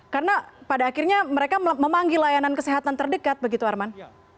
karena pada akhirnya mereka memanggil layanan kesehatan terdekat begitu arman